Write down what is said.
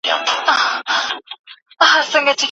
ښه ذهنیت ډار نه پیدا کوي.